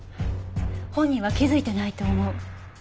本人は気づいてないと思う。